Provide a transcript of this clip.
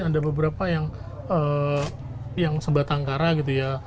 ada beberapa yang yang sebatangkara gitu ya